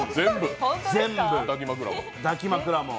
抱き枕も。